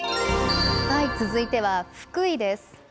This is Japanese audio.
続いては福井です。